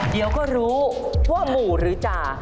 เดี๋ยวก็รู้ว่าหมู่หรือจ่า